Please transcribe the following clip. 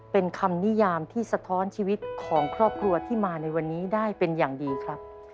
เป็นคำนิยามที่สะท้อนชีวิตของครอบครัวที่มาในวันนี้ได้เป็นอย่างดีครับ